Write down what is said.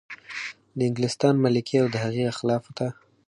د انګلستان ملکې او د هغې اخلافو ته.